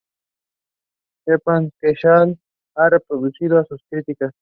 Stephan Kinsella ha respondido a sus críticas.